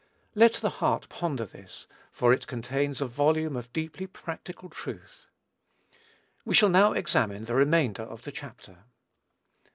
Let the heart ponder this, for it contains a volume of deeply practical truth. We shall now examine the remainder of the chapter.